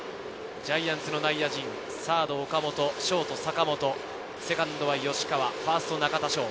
ジャイアンツの内野陣、サード・岡本、ショート・坂本、セカンド・吉川、ファースト・中田翔。